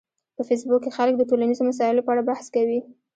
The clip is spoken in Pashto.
په فېسبوک کې خلک د ټولنیزو مسایلو په اړه بحث کوي